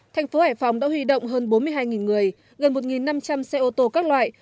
thành phố hải phòng đã huy động hơn bốn mươi hai người gần một năm trăm linh xe ô tô các loại